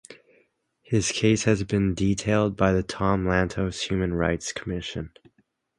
His case has been detailed by the Tom Lantos Human Rights Commission.